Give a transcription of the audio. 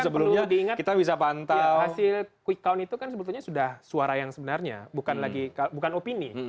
betul karena kan perlu diingat hasil quick count itu kan sebetulnya sudah suara yang sebenarnya bukan opini